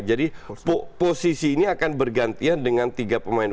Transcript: jadi posisi ini akan bergantian dengan tiga pemain